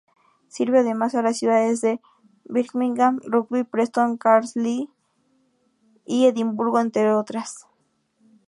Sirve además a las ciudades de Birmingham, Rugby, Preston, Carlisle y Edimburgo entre otras.